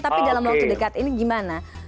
tapi dalam waktu dekat ini gimana